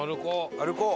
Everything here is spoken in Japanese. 歩こう！